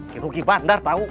kekuki bandar tau